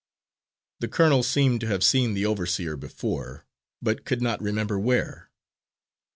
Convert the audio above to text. The colonel seemed to have seen the overseer before, but could not remember where.